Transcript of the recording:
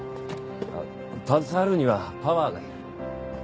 携わるにはパワーがいる。